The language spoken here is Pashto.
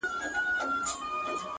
چي د خندا خبري پټي ساتي!